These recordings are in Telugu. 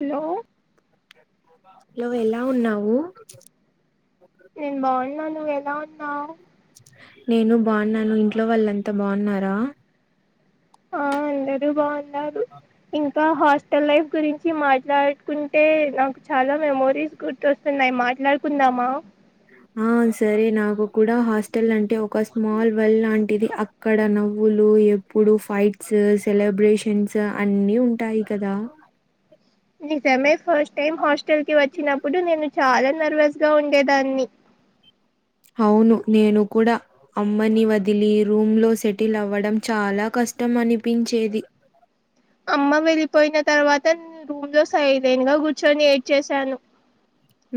హలో లో్ ఎలా ఉన్నావు నేన్ బాగున్నా నువ్ ఎలా ఉన్నావు నేను బాగున్నాను ఇంట్లో వాళ్ళంతా బావ్న్నారా ఆ అందరు బాగున్నారు ఇంకా హాస్టల్ లైఫ్ గురించి మాట్లాడుకుంటే నాక్ చాలా మెమోరీస్ గుర్తొస్తున్నాయ్ మాట్లాడుకుందామా ఆ సరే నాకు కూడా హాస్టల్ అంటే ఒక స్మాల్ వెల్ లాంటిది అక్కడ నవ్వులు ఎప్పుడు ఫైట్స్ సెలబ్రేషన్స్ అన్ని ఉంటాయి కదా నిజమే ఫస్ట్ టైమ్ హాస్టల్ కి వచ్చినప్పుడు నేను చాలా నర్వస్ గా ఉండేదాన్ని అవును నేను కూడా అమ్మని వదిలి రూమ్ లో సెటిల్ అవ్వడం చాలా క ష్టం అనిపించేది అమ్మ వెళ్ళిపోయిన తర్వాత రూమ్ లో సైలన్గా కూర్చొని ఏడ్చేసాను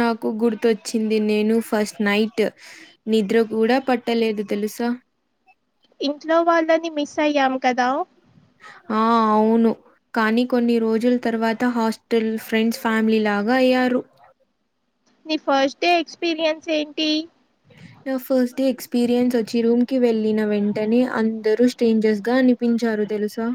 నాకు గుర్తొచ్చింది నేను ఫస్ట్ నైట్ నిద్ర కూడా పట్టలేదు తెలు ఇసా ఇంట్లో వాళ్ళని మిస్ అయ్యాం కదా ఆ అవును కానీ కొన్ని రోజుల తర్వాత హాస్టల్ ఫ్రెండ్స్ ఫ్యామిలీ లాగా అయ్యారు నీ ఫస్ట్ డే ఎక్స్పీరియన్స్ ఏంటి నా ఫస్ట్ డే ఎక్స్పీరియన్స్ వచ్చి రూమ్ కి వెళ్ళిన వెంటనే అందరూ స్ట్రేంజర్స్ గా అనిపించారు తెలుసా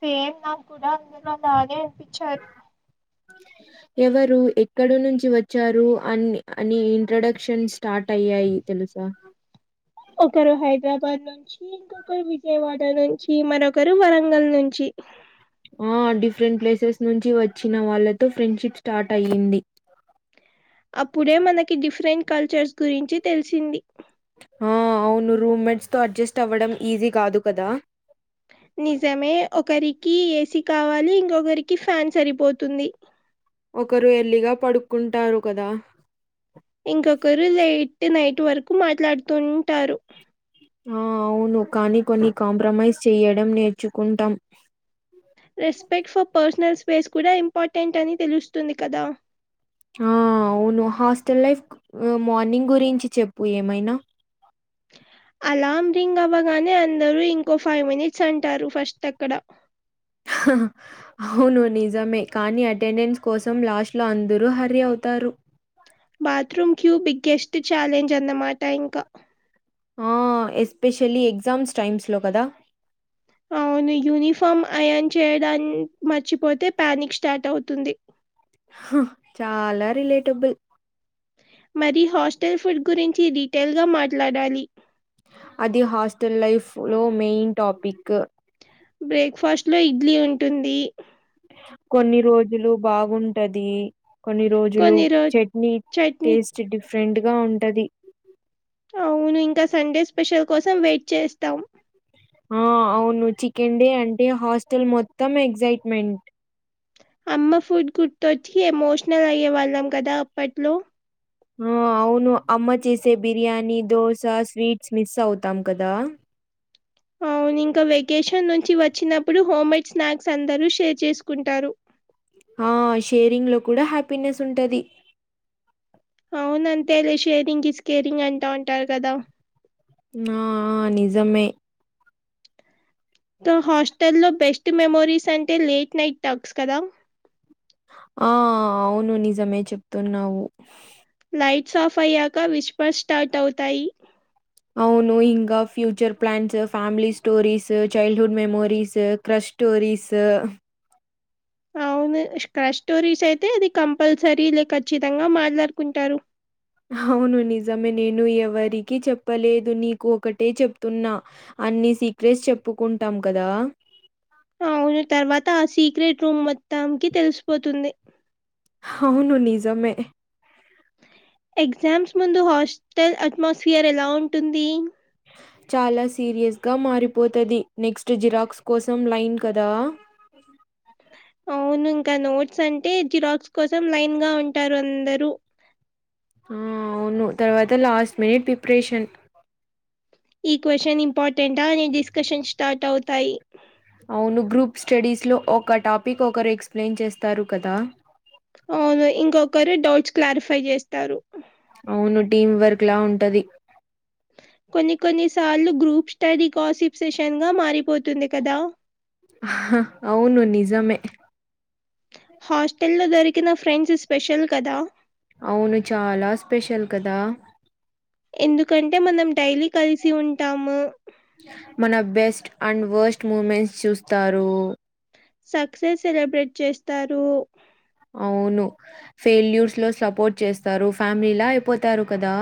సేమ్ నాకు కూడా అందులో అలానే అనిపించారు ఎవరు ఎక్కడ నుంచి వచ్చారు అని అని ఇంట్రడక్షన్ స్టార్ట్ అయ్యాయి తెల్సా ఒకరు హైదరాబాద్ నుంచి ఇంకొకరు విజయవాడ నుంచి మరొకరు వరంగల్ నుంచి కి ఆ డిఫరెంట్ ప్లేసెస్ నుంచి వచ్చిన వాళ్ళతో ఫ్రెండ్షిప్ స్టార్ట్ అయ్యింది అప్పుడే మనకి డిఫరెంట్ కల్చర్స్ గురించి తెలిసింది ఆ అవును రూమ్మేట్స్ తో అడ్జస్ట్ అవ్వడం ఈజీ కాదు కదా కి ఏసీ కావాలి ఇంకొకరికి ఫ్యాన్ సరిపోతుంది ఒకరు ఎల్లిగా పడుక్కుంటారు కదా ఇంకొకరు లేట్ నైట్ వరకు మాట్లాడుతుంటారు ఆ అవును కానీ కొన్ని కాంప్రమైజ్ చేయడం నేర్చుకుంటాం రెస్పెక్ట్ ఫర్ పర్సనల్ స్పేస్ కూడా ఇంపార్టెంట్ అని తెలుస్తుంది కదా ఆ అవును హాస్టల్ లైఫ్ మార్నింగ్ గురించి చెప్పు ఏమైనా ఓ అలార్మ్ రింగ్ అవ్వగానే అందరు ఇంకో ఫైవ్ మినిట్స్ అంటారు ఫస్ట్ ఎక్కడ అవును నిజమే కానీ అటెండెన్స్ కోసం లాస్ట్ లో అందరూ హరి అవు తరు బాత్రూమ్ క్యూ బిగ్గెస్ట్ ఛాలెంజ్ అన్నమాట ఇంక ఆ ఎస్పెషలీ ఎగ్జామ్స్ టైమ్స్ లో కదా అవ్ కొను యూనిఫామ్ అయాన్ చేయడాన్ మర్చిపోతే ప్యానిక్ స్టార్ట్ అవుతుంది చాలా రిలేటబుల్ మరి హాస్టల్ ఫుడ్ గురించి డీటెయిల్గా మాట్లాడాలి అది హాస్టల్ లైఫ్ లో మెయిన్ టాపిక్ బ్రేక్ఫాస్ట్ లో ఇడ్లీ ఉంటుంది కొన్ని రోజులు బాగుంటది కొన్ని రోజులు కొన్ని రో చట్నీ చట్నీ టేస్ట్ డిఫరెంట్ గా ఉంటది అవును ఇంకా సండే స్పెషల్ కోసం వెయిట్ చేస్తాం ఆ అవును చికెన్ డే అంటే హాస్టల్ మొత్తం ఎగ్జైట్మెంట్ అమ్మ ఫుడ్ గుర్తొచ్చి ఎమోషనల్ అయ్యే వాళ్ళం కదా అప్పట్లో ఆ అవును అమ్మ చేసే బిర్యానీ దోశ స్వీట్స్ మిస్ అవుతాం కదా ఆ నేను ఇంక వెకేషన్ నుంచి వచ్చినప్పుడు హోమ్మేడ్ స్నాక్స్ అందరూ షేర్ చేసుకుంటారు ఆ షేరింగ్ లో కూడా హ్యాపీనెస్ ఉంటది అవున అంతేలే షేరింగ్ ఇస్ కేేరింగ్ అంటా ఉంటారు కదా ఆఆ నిజమే సో హాస్టల్లో బెస్ట్ మెమోరీస్ అంటే లేట్ నైట్ టాక్స్ కదా ఆ అవును నిజమే చెప్తున్నావు సాఫ్ అయ్యాక విష్పర్స్ స్టార్ట్ అవుతాయి అవును ఇంకా future plans family stories childhood memories crush స్టోరీసా అవ్ షడ్ స్టోరీస్ అయితే అది కంపల్సరీ లేక ఖచ్చితంగా మాట్లాడుకుంటారు అవును నిజమే నేను ఎవరికి చెప్పలేదు నీకు ఒకటే చెప్తున్నా అన్ని సీక్రెట్స్ చెప్పుకుంటాం కదా అవున తర్వాత ఆ సీక్రెట్ రూమ్ మొత్తాన్కి తెలిసిపోతుంది హవును నిజమే ఎగ్జామ్స్ ముందు హాస్టల్ అట్మాస్ఫియర్ ఎలా ఉంటుంది చాలా సీరియ్స్గ మారిపోతుది నెక్స్ట్ జిరాక్స్ కోసం లైన్ కదా అవును ఇంకా నోట్స్ అంటే జిరాక్స్ కోసం లైన్ గా ఉంటారు అందరుూ ఆ అవును తర్వాత లాస్ట్ మినిట్ ప్రిపరేషన్ ఈ క్వ్చన్ ఇంపార్టెంటా అని డిస్కషన్ స్టార్ట్ అవుతాయి అవును గ్రూప్ స్టడీస్లో ఒక టాపిక్ ఒకరు ఎక్స్ప్లెయిన్ చేస్తారు కదా అవును ఇంకొకరు డౌట్స్ క్లారిఫై చేస్తారు అవును టీం వర్క్ లా ఉంటది కొన్ని కొన్ని సార్లు గ్రూప్ స్టడీ గోస్సిప్ సెషన్ గా మారిపోతుంది కదా అవును నిజమే హాస్టల్ లో దొరికిన ఫ్రెండ్స్ స్పెషల్ కదా అవును చాలా స్పెషల్ కదా ఎందుకంటే మనం డైలీ కలిసి ఉంటాము మన బెస్ట్ అండ్ వర్స్ట్ మూమెంట్స్ చూస్తారు సక్సెస్ సెలబ్రేట్ చేస్తారు అవును ఫెయిల్యూర్స్ లో సపోర్ట్ చేస్తారు ఫ్యామిలీలా అయిపోతారు కదా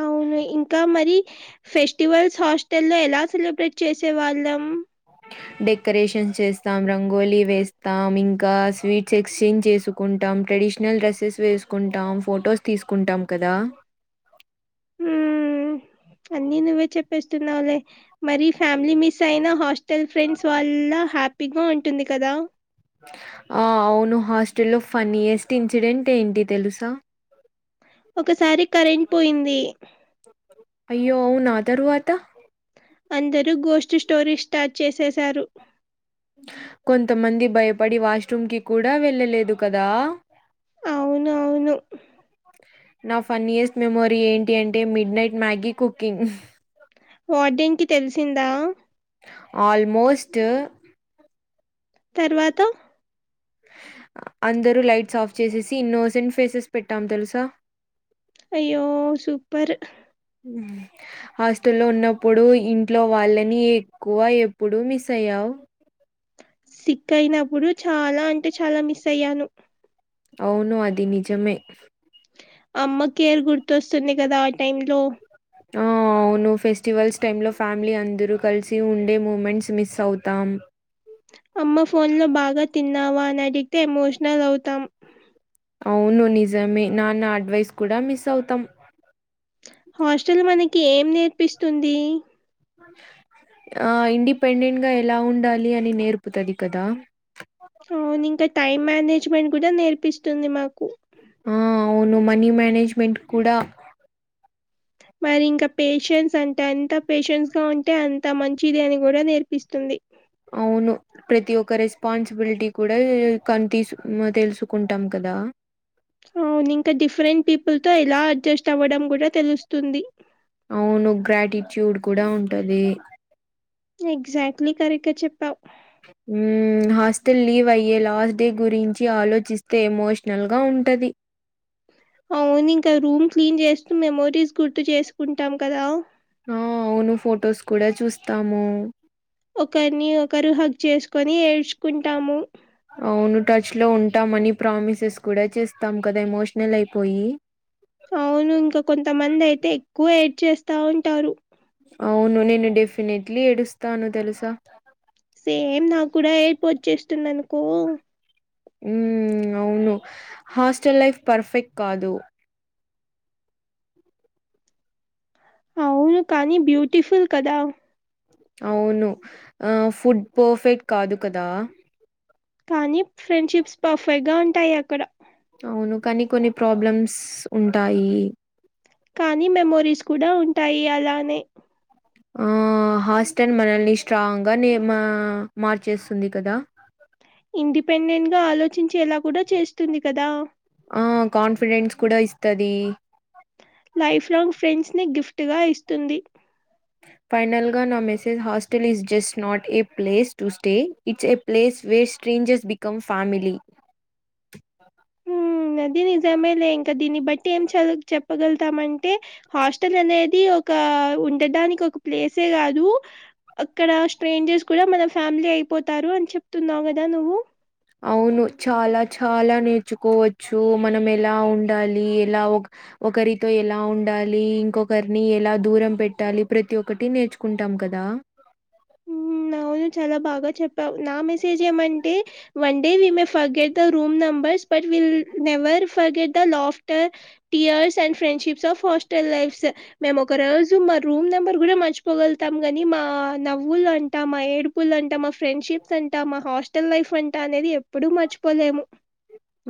అవును ఇంకా మరి ఫెస్టివల్స్ హాస్టల్ లో ఎలా సెలబ్రేట్ చేసే వాళ్ళం డెకరేషన్స్ చేస్తాం రంగోలీ వేస్తాం ఇంకా స్వీట్స్ ఎక్స్చేంజ్ చేసుకుంటాం ట్రెడిషనల్ డ్రెస్సెస్ వేసుకుంటాం ఫొటోస్ తీసుకుంటాం కదా హ్మ్మ్ అన్నీ నువ్వే చెప్పేస్తున్నావే మరి ఫ్యామిలీ మిస్ అయినా హాస్ట స్టల్ ఫ్రెండ్స్ వాళ్ళ హ్యాపీగా ఉంటుంది కదా ఆ అవును హాస్టల్లో ఫన్నయెస్ట్ ఇన్సిడెంట్ ఏంటి తెలుసా ఒకసారి కరెంట్ పోయింది అయ్యో అవ్నా తర్వాత అందరూ గోస్ట్ స్టోరీ స్టార్ట్ చేసేశారు కొంతమంది భయపడి వాష్రూమ్ కి కూడా వెళ్ళలేదు కదా అవునవును నా ఫన్నీయెస్ట్ మెమోరీ ఏంటి అంటే మిడ్ నైట్ మ్యాగీ కుకింగ్ వర్డాన్కి తెలిసిందా? ఆల్మోస్ట్ తర్వాత అందరూ లైట్స్ ఆఫ్ చేసేసి ఇన్నోసెంట్ ఫేసెస్ పెట్టాం తెల్సా అయ్యో సుప్పర్ హాస్టల్లో ఉన్నప్పుడు ఇంట్లో వాళ్ళని ఎక్కువ, ఎప్పుడు మిస్ అయ్యావ్ సిక్ అయినప్పుడు చాలా అంటే చాలా మిస్ అయ్యాను. అవును అది నిజమే. అమ్మ కేర్ గుర్తొస్తుంది కదా ఆ టైమ్లో ఆ అవును ఫెస్టివల్స్ టైమ్లో ఫ్యామిలీ అందరూ కలిసి ఉండే మూమెంట్స్ మిస్ అవుతాం. అమ్మ ఫోన్లో బాగా తిన్నావా అని అడిగితే ఎమోషనల్ అవుతాం. అవును నిజమే నాన్న అడ్వైస్ కూడా మిస్ అవుతం. హాస్టల్ మనకి ఏం నేర్పిస్తుందీ? ఆ ఇండిపెండెంట్గా ఎలా ఉండాలి అని నేర్పుతది కదా అవున్ ఇంకా టైం మేనేజ్మెంట్ కూడా నేర్పిస్తుంది మాకు ఆ అవును మనీ మేనేజ్మెంట్ కూడా మరి ఇంకా పేషెన్స్ అంటే అంత పేషెన్స్గా ఉంటే అంత మంచిది అని కూడా నేర్పిస్తుంది. అవును ప్రతి ఒక రెస్పాన్సిబిలిటీ కూడా కన్ తీస్ తెలుసుకుంటాం క దా అవున్ ఇంకా డిఫరెంట్ పీపుల్తో ఎలా అడ్జస్ట్ అవ్వడం కూడా తెలుస్తుంది. అవును గ్రాటిట్యూడ్ కూడా ఉంటదీ ఎగ్జాక్ట్లీ కరెక్ట్గా చెప్పావు. మ్మ్ హాస్టల్ లీవ్ అయ్యే లాస్ట్ డే గురించి ఆలోచిస్తే ఎమోషనల్గా ఉం ఉంటది. అవునింక రూమ్ క్లీన్ చేస్తూ, మెమోరీస్ గుర్తు చేస్కుంటాం కదా. ఆ అవును ఫొటోస్ కూడా చూస్తాము. ఒకర్ని ఒకరు హగ్ చేస్కొని ఏడ్చ్ అవును టచ్లో ఉం టామనీ ప్రామిసెస్ కూడా చేస్తాం కదా ఎమోషనల్ అయిపోయి. అవును ఇంక కొంతమందైతే ఎక్కువ ఏడ్చేస్తా ఉంటారు. అవును నేను డెఫినెట్లీ ఏడుస్తాను తెలుసా! సేమ్ నాక్కూడా ఏడుపొచ్చేస్తుందనుకో ఉమ్ అవును హాస్టల్ లైఫ్ పర్ఫెక్ట్ కాదు. అవును కానీ బ్యూటిఫుల్ కదా. అవును ఆ ఫుడ్ పర్ఫెక్ట్ కాదు కదా కానీ ఫ్రెండ్షిప్స్ పర్ఫెక్ట్గా ఉంటాయి అక్కడ అవును కానీ, కొన్ని ప్రాబ్లమ్స్ ఉంటాయి. కానీ మెమోరీస్ కూడా ఉంటాయి అలానే ఆ హాస్టల్ మనల్ని స్ట్రాంగానే మా మార్చేస్తుంది కదా ఇండిపెండెంట్గా ఆలోచించేలా కూడా చేస్తుంది కదా ఆ కాన్ఫిడెన్స్ కుడా ఇస్తది. లైఫ్లాంగ్ ఫ్రెండ్స్ని గిఫ్ట్గా ఇస్తుంది. ఫైనల్గా నా message hostel is just not a place to stay it's a place where strangers become family. [inaudible] ఉ అది నిజమే లే ఇంకా దీన్ని బట్టి ఏం చ చెప్పగలుతామంటే హాస్టల్ అనేది ఒక ఉండటానికి ఒక ప్లేసే కాదు అక్కడ స్ట్రేంజర్స్ కూడా మన ఫ్యామిలీ అయిపోతారు అని చెప్తున్నావు కదా నువ్వు అవును చాలా చాలా నేర్చుకోవచ్చు మనం ఎలా ఉండాలి ఎలా ఒ ఒకరితో ఎలా ఉండాలి ఇంకొకరిని ఎలా దూరం పెట్టాలి ప్రతి ఒక్కటి నేర్చుకుంటాం కదా ఉం న అవును చాలా బాగా చెప్పావ్ నా మెసేజ్ ఏమంటే one day we may forget the room number but we never forget the laughter tears and friendships of hostel life's స్ మేము ఒక రోజు మా రూమ్ నెంబర్ కూడా మర్చిపోగలుతాం గాని మా న నవ్వులంట మా ఏడుపులంట మా ఫ్రెండ్షిప్స్ అంట మా హాస్టల్ లైఫ్ అంట అనేది ఎప్పుడు మర్చిపోలేము [inaudible]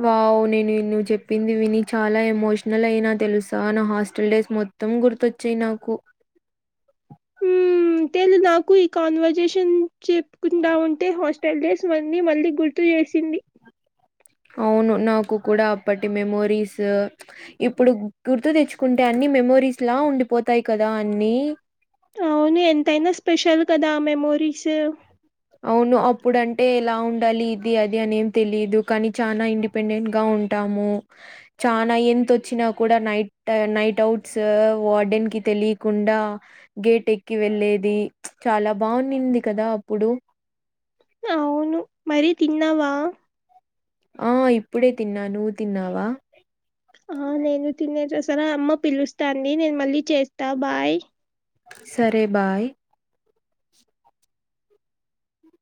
వావ్ నేను నువ్ చెప్పింది విని చాలా ఎమోషనల్ అయినా తెలుసా నా హాస్టల్ లైఫ్ మొత్తం గుర్తొచ్చాయి నాకు ఊ అంతేలే నాకు ఈ కాన్వర్జేషన్ చెప్పుకుంటా ఉంటే హాస్టల్ డేస్ ఇవ్వన్ని మళ్ళీ గుర్తు చేసింది అవును నాకు కూడా అప్పటి మెమోరీస్ ఇప్పుడు గుర్తు తెచ్చుకుంటే అన్ని మెమోరీస్ లా ఉండిపోతాయి కదా అన్ని అవును ఎంతైనా స్పెషల్ కదా ఆ మెమోరీస్ అవును అప్పుడంటే ఎలా ఉండాలి ఇది అది అనేం తెలిదు కానీ చానా ఇండిపెండెంట్ గా ఉ ఉంటాము చానా ఎంత వచ్చినా కూడా నైట్ నైట్ ఔట్స్ వార్డెన్ కి కి తెలికుండా గేట్ ఎక్కి వెళ్ళేది చాలా బాగుంనింది కదా అప్పుడు అవును మరి తిన్నావా ఆ ఇప్పుడే తిన్న నువ్వు తిన్నావా ఆ నేను తినేస సరే అమ్మ పిలుస్తాంది నేను మళ్ళీ చేస్తా బాయ్ సరే బాయ్